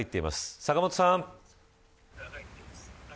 阪本さん。